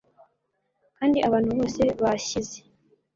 kandi abantu bose bashyize